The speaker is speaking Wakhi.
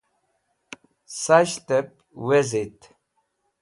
Sashtep wezit